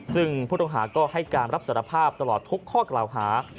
ซึ่งผู้ต้องหาก็ให้การรับสารภาพตลอดทุกข้อกล่าวหา